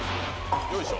よいしょ